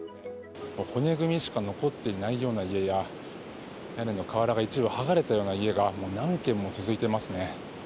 骨組みしか残っていないような家や屋根の瓦が一部剥がれたような家が何軒も続いていますね。